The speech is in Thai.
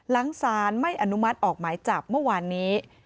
หลังสารไม่อนุมัติออกหมายจับเมื่อวานนี้